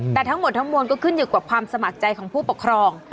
แต่ทั้งหมดทั้งมวลก็ขึ้นอยู่กับความสมัครใจของผู้ปกครอง